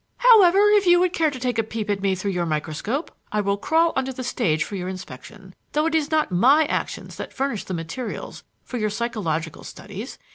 "However, if you would care to take a peep at me through your microscope, I will crawl on to the stage for your inspection, though it is not my actions that furnish the materials for your psychological studies.